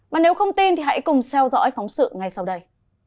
và nếu không tin thì hãy cùng theo dõi phóng sự ngay sau đây